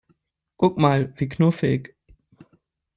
Guck mal, wie knuffig!